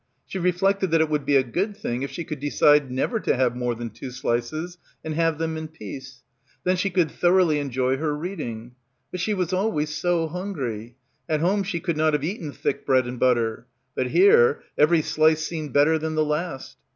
She reflected that it would be a good thing if she could decide never to have more than two slices, and have them in peace. Then she could thoroughly enjoy her reading. But she was always so hungry. At home she could not have eaten thick bread and butter. But here every slice seemed better than the last.